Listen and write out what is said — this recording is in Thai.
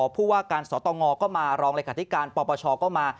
ผู้ว่าการสตงก็มารองเลขาธิการปปชก็มา